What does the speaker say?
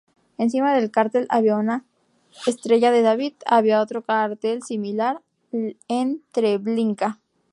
Encima del cartel había una estrella de David, había otro cartel similar en Treblinka.